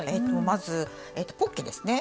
まずポッケですね。